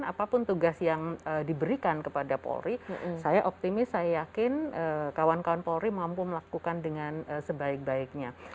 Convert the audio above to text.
apapun tugas yang diberikan kepada polri saya optimis saya yakin kawan kawan polri mampu melakukan dengan sebaik baiknya